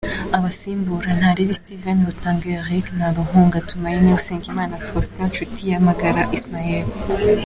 Abasimbura : Ntaribi Steven, Rutanga Eric, Ntaluhanga Tumaine, Usengimana faustin, Nshutiyamagara Ismael.